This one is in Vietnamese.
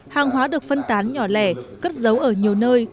hàng hóa được phân tán nhỏ lẻ cất giấu ở nhiều nơi